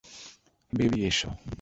Baby, এসো।